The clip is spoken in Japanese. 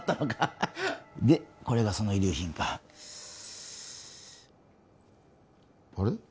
ハハでこれがその遺留品かあれ？